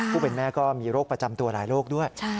ผู้เป็นแม่ก็มีโรคประจำตัวหลายโรคด้วย